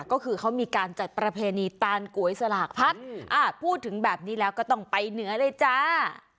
ก็คือเขามีการจัดประเพณีตานก๋วยสลากพัดพูดถึงแบบนี้แล้วก็ต้องไปเหนือเลยจ้า